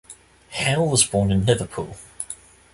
Hale was born in Liverpool.